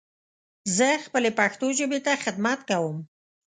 زه خپلې پښتو ژبې ته خدمت کوم.